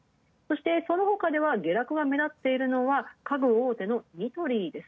そのほかでは下落が目立っているのは家具大手のニトリです。